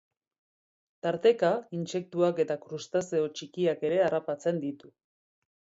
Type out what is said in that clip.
Tarteka intsektuak eta krustazeo txikiak ere harrapatzen ditu.